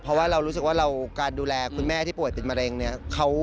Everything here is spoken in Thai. เพราะว่าเรารู้สึกว่าเราการดูแลคุณแม่ที่ป่วยติดมะเร็งเนี่ย